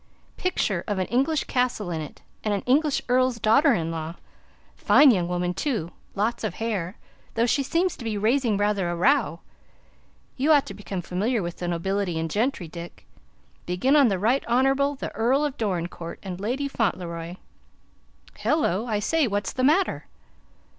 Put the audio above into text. Picture of an English castle in it, and an English earl's daughter in law. Fine young woman, too, lots of hair, though she seems to be raising rather a row. You ought to become familiar with the nobility and gentry, Dick. Begin on the Right Honorable the Earl of Dorincourt and Lady Fauntleroy. Hello! I say, what's the matter?"